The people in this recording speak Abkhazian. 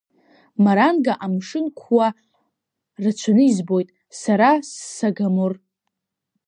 Маранга амшын кәуа рацәаны избоит, сара ссагамор!